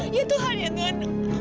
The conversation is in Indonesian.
ya tuhan ya tuhan